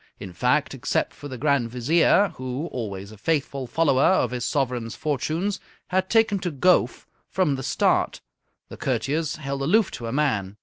In fact, except for the Grand Vizier, who, always a faithful follower of his sovereign's fortunes, had taken to Gowf from the start, the courtiers held aloof to a man.